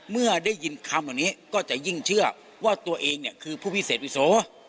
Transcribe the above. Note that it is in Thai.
เมื่อได้ยินคำเหล่านี้ก็จะยิ่งเชื่อว่าตัวเองเนี่ยคือผู้พิเศษวิโส